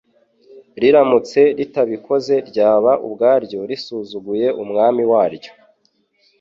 riramutse ritabikoze ryaba ubwaryo risuzuguye Umwami waryo.